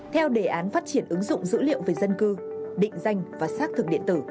theo đề án phát triển ứng dụng dữ liệu về dân cư định danh và xác thực điện tử